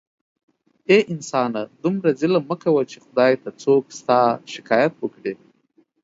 اې انسانه دومره ظلم مه کوه چې خدای ته څوک ستا شکایت وکړي